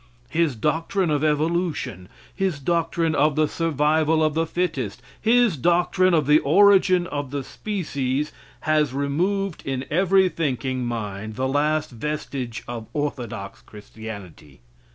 His doctrine of evolution, his doctrine of the survival of the fittest, his doctrine of the origin of species, has removed in every thinking mind the last vestige of orthodox Christianity.